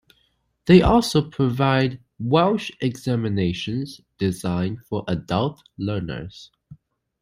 They also provide Welsh examinations designed for adult learners.